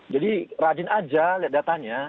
rajin aja lihat datanya